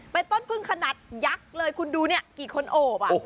เป็นต้นพึ่งขนาดยักษ์เลยคุณดูเนี่ยกี่คนโอบ